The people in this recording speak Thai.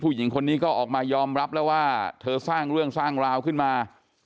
หญิงคนนี้ก็ออกมายอมรับแล้วว่าเธอสร้างเรื่องสร้างราวขึ้นมา